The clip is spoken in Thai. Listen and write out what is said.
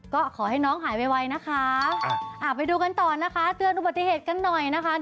ก็ขอให้น้องหายไวนะคะไปดูกันต่อนะคะเตือนอุบัติเหตุกันหน่อยนะคะ